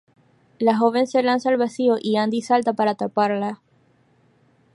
La joven se lanza al vacío y Andy salta para atraparla.